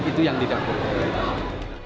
itu yang tidak boleh